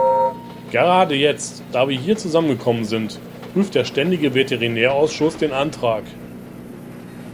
Gerade jetzt, da wir hier zusammengekommen sind, prüft der Ständige Veterinärausschuss den Antrag.